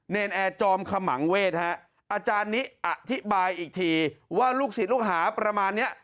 นแอร์จอมขมังเวศฮะอาจารย์นี้อธิบายอีกทีว่าลูกศิษย์ลูกหาประมาณนี้